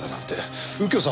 右京さん